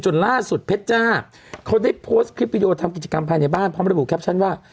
ล่าสุดเพชรจ้าเขาได้โพสต์คลิปวิดีโอทำกิจกรรมภายในบ้านพร้อมระบุแคปชั่นว่า